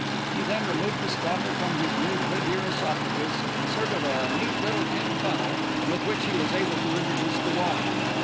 He then removed the stopper from his new Goodyear esophagus, inserted a neat little tin funnel, with which he was able to introduce the water.